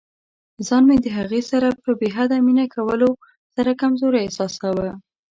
ځان مې د هغې سره په بې حده مینه کولو سره کمزوری احساساوه.